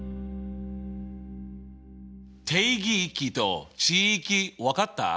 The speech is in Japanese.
定義域と値域分かった？